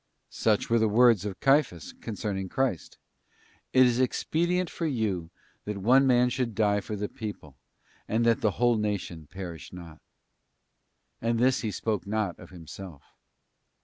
Such were the words of Caiphas concerning Christ: ' It is expedient for you that one man should die for the people, and that the whole nation perish not. And this he spoke not of himself.